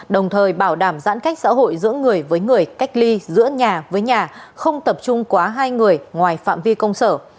đồng thời bảo đảm giãn cách xã hội giữa người với người cách ly giữa nhà với nhà không tập trung quá hai người ngoài phạm vi công sở